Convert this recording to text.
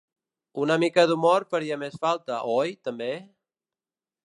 Una mica d’humor faria més falta, oi, també?